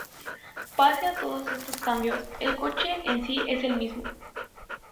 Pese a todos estos cambios, el coche en sí es el mismo.